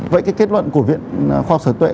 vậy cái kết luận của viện khoa học sở tuệ